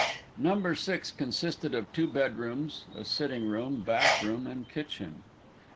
Number Six consisted of two bedrooms, a sitting room, bath room and kitchen.